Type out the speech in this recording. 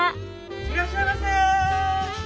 いらっしゃいませ。